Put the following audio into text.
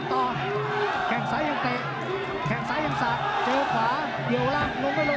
โต๊ะแทคแหลกเข้าไป